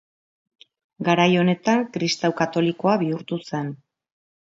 Garai honetan kristau katolikoa bihurtu zen.